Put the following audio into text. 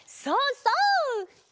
そうそう！